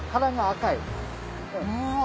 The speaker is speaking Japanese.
うわ。